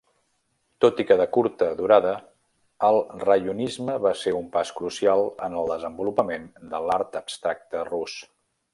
Tot i que de curta durada, el raionisme va ser un pas crucial en el desenvolupament de l'art abstracte rus.